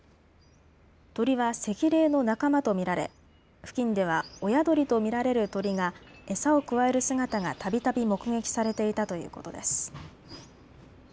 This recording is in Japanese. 鳥はセキレイの仲間と見られ付近では親鳥と見られる鳥が餌をくわえる姿がたびたび目撃されていたということです。